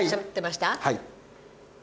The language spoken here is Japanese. はい。